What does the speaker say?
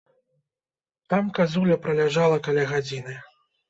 Там казуля праляжала каля гадзіны.